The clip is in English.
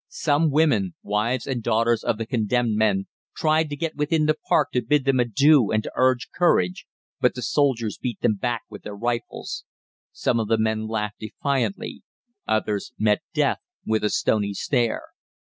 Some women wives and daughters of the condemned men tried to get within the Park to bid them adieu and to urge courage, but the soldiers beat them back with their rifles. Some of the men laughed defiantly, others met death with a stony stare.